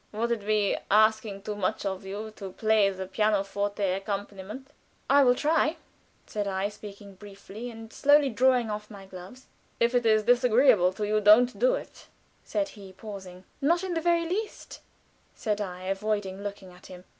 "Would it be asking too much of you to play the pianoforte accompaniment?" "I will try," said I, speaking briefly, and slowly drawing off my gloves. "If it is disagreeable to you, don't do it," said he, pausing. "Not in the very least," said I, avoiding looking at him.